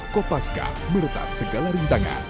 kopaska meretas segala rintangan